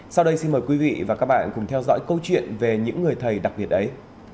sau đây xin mời quý vị và các bạn cùng theo dõi câu chuyện về những người thầy đặc biệt ấy